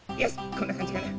こんなかんじかな？